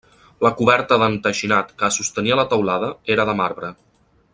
La coberta d'enteixinat que sostenia la teulada era de marbre.